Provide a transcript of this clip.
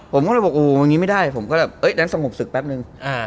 ผมก็เลยบอกโอ้อย่างนี้ไม่ได้ผมก็แบบนั้นสงบศึกแป๊บนึง